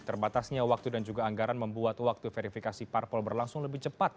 terbatasnya waktu dan juga anggaran membuat waktu verifikasi parpol berlangsung lebih cepat